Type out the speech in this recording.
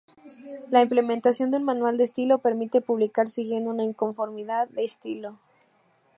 La implementación de un manual de estilo permite publicar siguiendo una uniformidad de estilo.